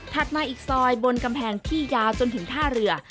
มาอีกซอยบนกำแพงที่ยาวจนถึงท่าเรือ